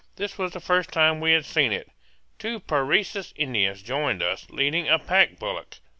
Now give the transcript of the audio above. This was the first time we had seen it. Two Parecis Indians joined us, leading a pack bullock.